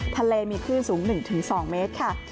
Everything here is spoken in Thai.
ทะเลมีคลื่นสูง๑๒เมตรค่ะ